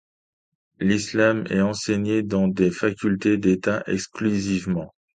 L'islam est enseigné dans des facultés d'État exclusivement.